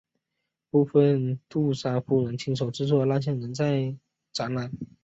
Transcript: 部分杜莎夫人亲手制作的蜡象仍然在展览。